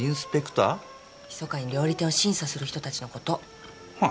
ひそかに料理店を審査する人たちのこと。